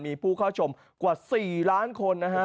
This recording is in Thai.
มีผู้เข้าชมกว่า๔ล้านคนนะฮะ